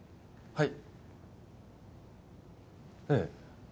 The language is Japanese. はい。